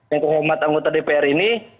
yang kehormat anggota dpr ini